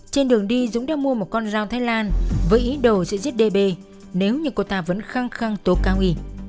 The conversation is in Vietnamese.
trên đường đi dũng đã mua một con rau thái lan với ý đồ sẽ giết đê bê nếu như cô ta vẫn khăng khăng tố cáo nghỉ